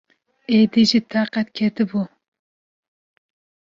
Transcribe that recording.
Êdî ji taqet ketibû.